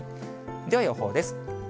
では予報です。